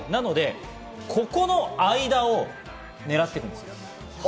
ここの間を狙って行くんです。